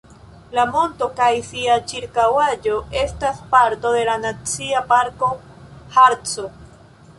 La monto kaj sia ĉirkaŭaĵo estas parto de la Nacia Parko Harco.